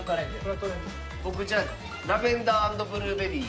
僕じゃあラベンダー＆ブルーベリー。